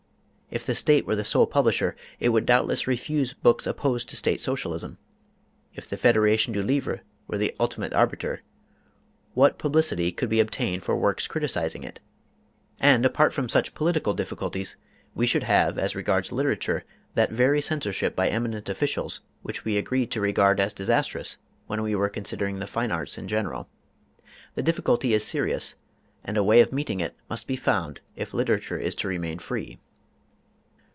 If the State were the sole publisher, it would doubtless refuse books opposed to State Socialism. If the Federation du Livre were the ultimate arbiter, what publicity could be obtained for works criticising it? And apart from such political difficulties we should have, as regards literature, that very censorship by eminent officials which we agreed to regard as disastrous when we were considering the fine arts in general. The difficulty is serious, and a way of meeting it must be found if literature is to remain free.